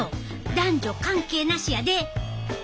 男女関係なしやで！